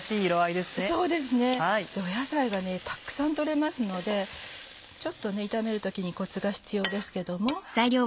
そうですね野菜がたくさん取れますのでちょっと炒める時にコツが必要ですけども。